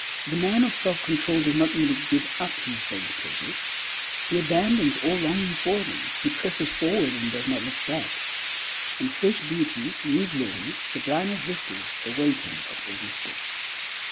The man of self control does not merely give up his base pleasures, he abandons all longing for them. He presses forward, and does not look back; and fresh beauties, new glories, sublimer vistas await him at every step.